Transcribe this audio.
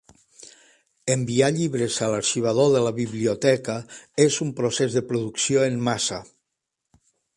Enviar llibres a l'arxivador de la biblioteca és un procés de producció en massa.